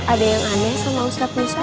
ada yang aneh sama ustadz wisma